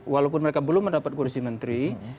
walaupun mereka belum mendapat kursi menteri